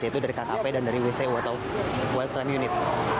yaitu dari kkp dan dari wcu atau well crime unit